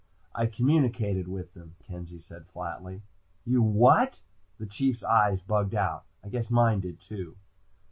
"I communicated with them," Kenzie said flatly. "You what?" The Chief's eyes bugged out. I guess mine did too.